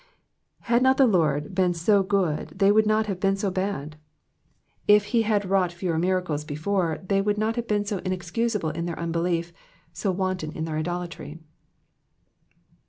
Had not the Lord been so good they would not have been so bad. If he had wrought fewer miracles before, they would not have been so inexcusable in their unbelief, so wanton in their idolatry.